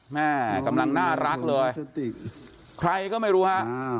แม่กำลังน่ารักเลยใครก็ไม่รู้ฮะ